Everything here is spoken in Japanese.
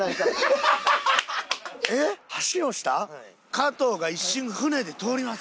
加藤が一瞬船で通ります。